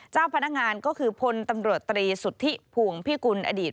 เจ้าพนักงานก็คือพลตำรวจตรีสุทธิพวงพิกุลอดีต